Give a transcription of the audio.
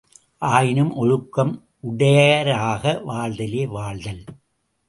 ஆயினும் ஒழுக்கம் உடையராக வாழ்தலே வாழ்தல்.